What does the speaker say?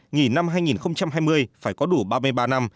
nghỉ năm hai nghìn hai mươi phải có đủ ba mươi ba năm